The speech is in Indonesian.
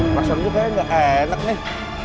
rasanya kayak gak enak nih